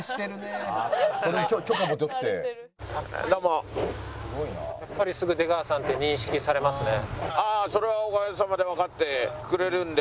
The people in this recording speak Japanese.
やっぱりすぐ出川さんって認識されますね。